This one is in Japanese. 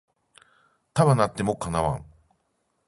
束なっても叶わん